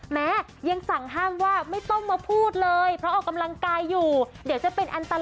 แม้ยังสั่งห้ามว่าไม่ต้องมาพูดเลยเพราะออกกำลังกายอยู่เดี๋ยวจะเป็นอันตราย